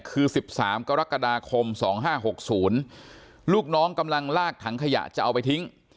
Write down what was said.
คือสิบสามกรกฎาคมสองห้าหกศูนย์ลูกน้องกำลังลากถังขยะจะเอาไปทิ้ง